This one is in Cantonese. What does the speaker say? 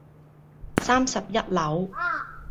三十一樓